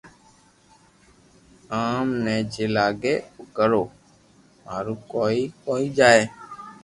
آم ني جي لاگي او ڪرو مارو ڪوئي ڪوئ جائي